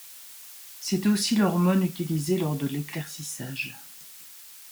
C'est aussi l'hormone utilisée lors de l'éclaircissage.